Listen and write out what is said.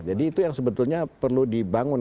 jadi itu yang sebetulnya perlu dibangun